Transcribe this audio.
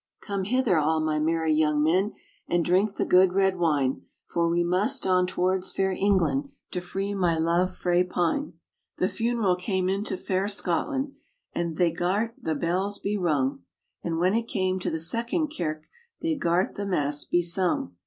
"Come hither, all my merry young men! And drink the good red wine; For we must on towards fan England To free my love frae pine." The funeral came into fair Scotland, And they gart the bells be rung; And when it came to the second kirk, They gart the mass be sung.